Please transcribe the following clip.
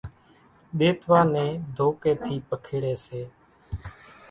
ۮيتوا ني ڌوڪي ٿي پکيڙي سي۔